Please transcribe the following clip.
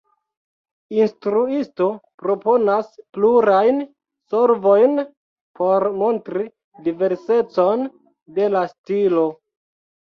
Instruisto proponas plurajn solvojn por montri diversecon de la stilo.